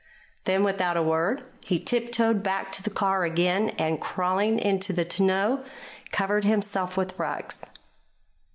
Then, without a word, he tiptoed back to the car again, and, crawling into the tonneau, covered himself with rugs.